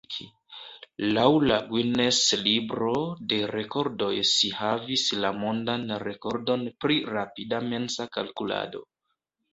Laŭ la Guinness-libro de rekordoj si havis la mondan rekordon pri rapida mensa kalkulado.